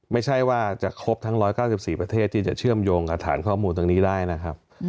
ไม่ใช่ว่าจะครบทั้ง๑๙๔ประเทศที่จะเชื่อมโยงกับฐานข้อมูลตรงนี้ได้นะครับ